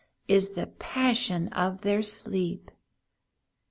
Is the passion of their sleep.